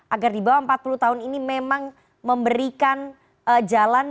agar di bawah empat puluh tahun ini memang memberikan jalan